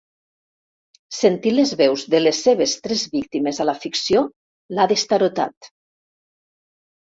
Sentir les veus de les seves tres víctimes a la ficció l'ha destarotat.